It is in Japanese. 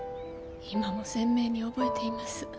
「今も鮮明に覚えています」